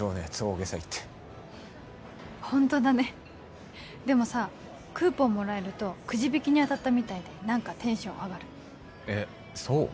大げさ言ってホントだねでもさクーポンもらえるとくじ引きに当たったみたいで何かテンション上がるえっそう？